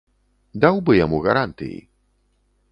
Даў бы яму гарантыі.